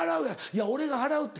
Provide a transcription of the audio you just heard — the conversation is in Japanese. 「いや俺が払うって」。